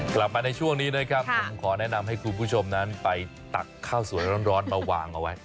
กลับมาในช่วงนี้นะครับผมขอแนะนำให้คุณผู้ชมนั้นไปตักข้าวสวยร้อนมาวางเอาไว้